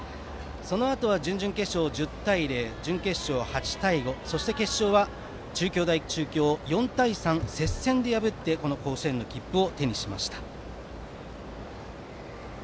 そのあとは準々決勝１０対０準決勝は８対５そして決勝は中京大中京を４対３という接戦で破って甲子園の切符を手にしました。